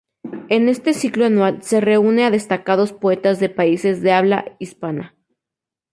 En este ciclo anual se reúne a destacados poetas de países de habla hispana.